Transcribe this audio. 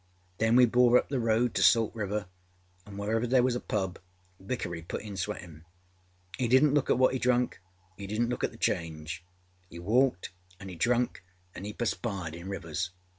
Then we bore up the road to Salt River, and wherever there was a pub Vickery put in sweatinâ. He didnât look at what he drunkâhe didnât look at the change. He walked anâ he drunk anâ he perspired in rivers.